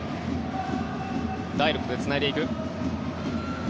ダイレクトでつないでいく。